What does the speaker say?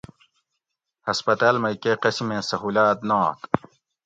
ہسپتال مئی کئی قسمیں سہولات نات